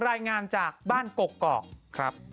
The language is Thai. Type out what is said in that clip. รายงานจากบ้านกกก